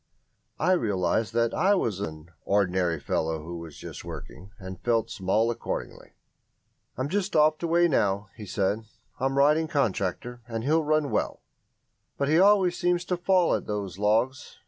I realised that I was an "ordinary fellow who was just working", and felt small accordingly. "I'm just off to weigh now," he said "I'm riding Contractor, and he'll run well, but he always seems to fall at those logs.